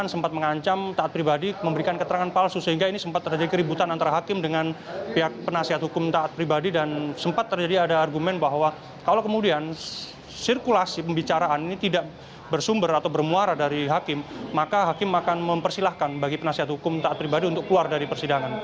sempat mengancam taat pribadi memberikan keterangan palsu sehingga ini sempat terjadi keributan antara hakim dengan pihak penasihat hukum taat pribadi dan sempat terjadi ada argumen bahwa kalau kemudian sirkulasi pembicaraan ini tidak bersumber atau bermuara dari hakim maka hakim akan mempersilahkan bagi penasihat hukum taat pribadi untuk keluar dari persidangan